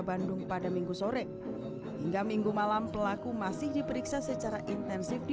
bandung pada minggu sore hingga minggu malam pelaku masih diperiksa secara intensif di